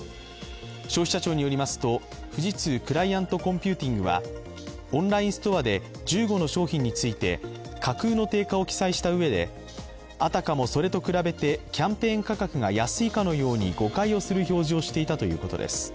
消費者庁によりますと富士通クライアントコンピューティングはオンラインストアで１５の商品について、架空の定価を記載した上であたかもそれと比べてキャンペーン価格が安いかのように誤解をする表示をしていたということです。